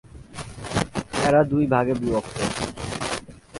এরা দুই ভাগে বিভক্ত।